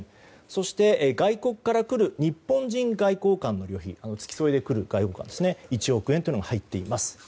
そして外国から来る日本人外交官の旅費付き添いで来る外交官に１億円というのが入っています。